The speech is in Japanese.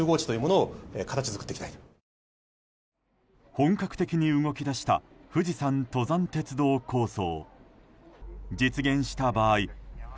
本格的に動き出した富士山登山鉄道構想。